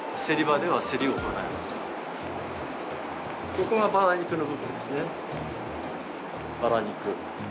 ここがバラ肉の部分ですね。